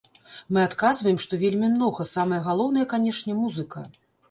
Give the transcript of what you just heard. Мы адказваем, што вельмі многа, самае галоўнае, канечне, музыка.